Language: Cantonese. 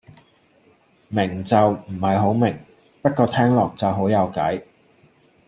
明就唔係好明，不過聽落就好有計